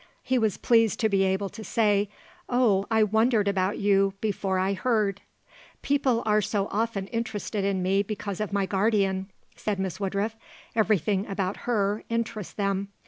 He was pleased to be able to say: "Oh, I wondered about you before I heard." "People are so often interested in me because of my guardian," said Miss Woodruff; "everything about her interests them.